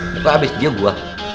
kok abis dia gue